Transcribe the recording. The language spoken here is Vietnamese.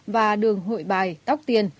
và đường hội bài tóc tiền